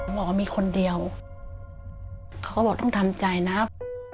หมอมีคนเดียวเขาก็บอกต้องทำใจนะครับ